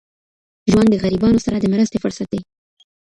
ژوند د غریبانو سره د مرستې فرصت دی.